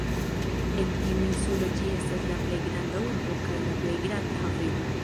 En tiu insulo ĝi estas la plej granda urbo kaj la plej granda haveno.